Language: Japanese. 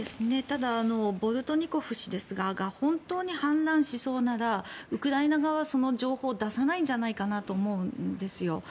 ただボルトニコフ氏ですが本当に反乱しそうならウクライナ側はその情報を出さないんじゃないかなと思うんですよ。